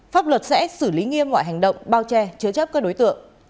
pháp luật sẽ xử lý nghiêm mọi hành động bao che chứa chấp các đối tượng